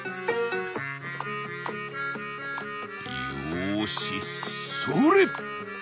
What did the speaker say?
「よしそれ！